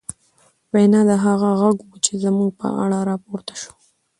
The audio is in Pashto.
وينا، دا هغه غږ و، چې زموږ په اړه راپورته شو